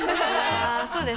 そうですか？